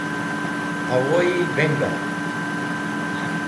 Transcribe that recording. Whowyi benga?